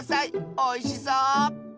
おいしそう！